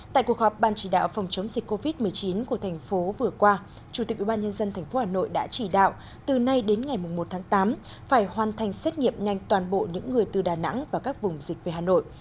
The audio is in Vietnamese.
tại cuộc họp ban chỉ đạo phòng chống dịch covid một mươi chín của thành phố vừa qua chủ tịch ubnd tp hà nội đã chỉ đạo từ nay đến ngày một tháng tám phải hoàn thành xét nghiệm nhanh toàn bộ những người từ đà nẵng và các vùng dịch về hà nội